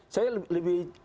saya lebih condong